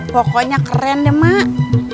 pokoknya keren mak